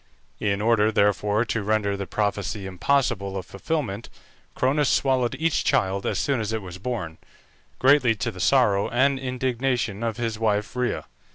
In order, therefore, to render the prophecy impossible of fulfilment, Cronus swallowed each child as soon as it was born, greatly to the sorrow and indignation of his wife Rhea.